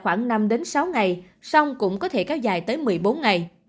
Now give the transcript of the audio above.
thời gian ủ bệnh của covid một mươi chín là khoảng năm sáu ngày xong cũng có thể kéo dài tới một mươi bốn ngày